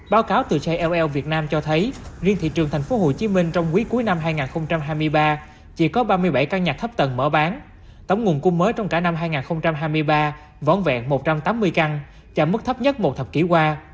báo cáo từ jll việt nam cho thấy riêng thị trường tp hcm trong quý cuối năm hai nghìn hai mươi ba chỉ có ba mươi bảy căn nhà thấp tầng mở bán tổng nguồn cung mới trong cả năm hai nghìn hai mươi ba vón vẹn một trăm tám mươi căn trả mức thấp nhất một thập kỷ qua